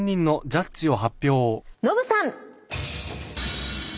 ノブさん。